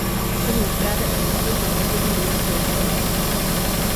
První zprávy o městě jsou z období dynastie Čou.